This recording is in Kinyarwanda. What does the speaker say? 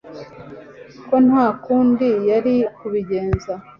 ko nta kundi yari kubigenza